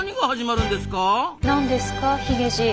なんですかヒゲじい。